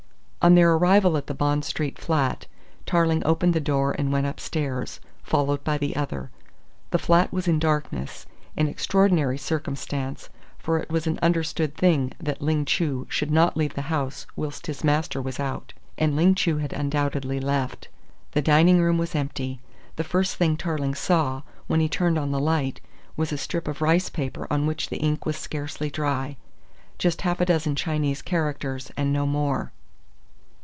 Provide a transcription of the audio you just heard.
On their arrival at the Bond Street flat, Tarling opened the door and went upstairs, followed by the other. The flat was in darkness an extraordinary circumstance, for it was an understood thing that Ling Chu should not leave the house whilst his master was out. And Ling Chu had undoubtedly left. The dining room was empty. The first thing Tarling saw, when he turned on the light, was a strip of rice paper on which the ink was scarcely dry. Just half a dozen Chinese characters and no more.